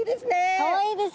かわいいです。